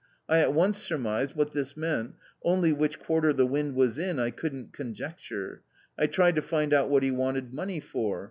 I at once surmised what this meant, only which quarter the wind was in I couldn't conjecture. I tried to find out what he wanted money for.